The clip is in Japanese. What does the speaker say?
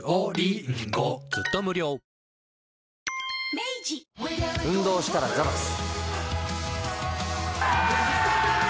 明治運動したらザバス。